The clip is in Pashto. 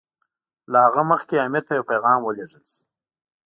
له هغه مخکې امیر ته یو پیغام ولېږل شي.